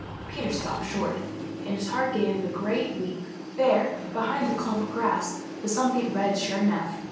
Peter stopped short, and his heart gave a great leap. There, behind the clump of grass, was some thing red, sure enough.